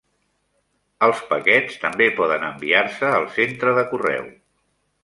Els paquets també poden enviar-se al centre de correu.